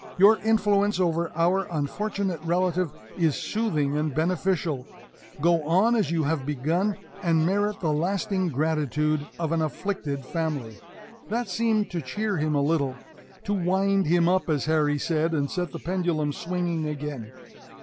Your influence over our unfortunate relative is soothing and beneficial. Go on as you have begun and merit the lasting gratitude of an afflicted family." That seemed to cheer him a little to wind him up, as Harry said, and set the pendulum swinging again.